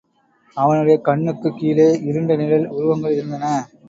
அவனுடைய கண்ணுக்குக் கீழே இருண்ட நிழல் உருவங்கள் இருந்தன.